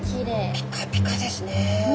ピカピカですね。